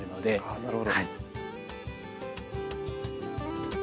あなるほど。